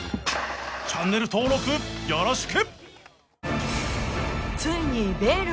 チャンネル登録よろしく！